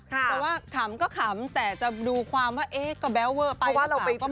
แต่ว่าขำก็ขำแต่จะดูความว่าเอ๊ก็แบ๊วเวอร์ไปหรือเปล่าก็มองไปได้มั้ยครับ